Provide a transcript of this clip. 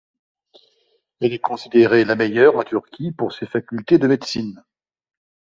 Elle est considérée la meilleure en Turquie pour ses facultés de médecine.